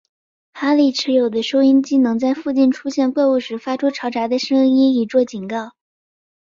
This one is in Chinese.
哈利持有的收音机能在附近出现怪物时发出嘈杂的声音以作警告。